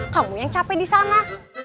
kamu yang capek di sana